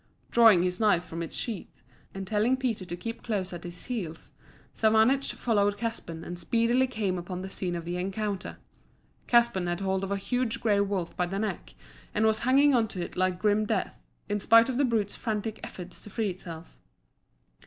Drawing his knife from its sheath, and telling Peter to keep close at his heels, Savanich followed Caspan and speedily came upon the scene of the encounter. Caspan had hold of a huge grey wolf by the neck, and was hanging on to it like grim death, in spite of the brute's frantic efforts to free itself.